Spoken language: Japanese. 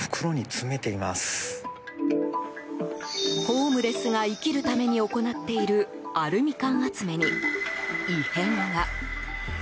ホームレスが生きるために行っているアルミ缶集めに異変が。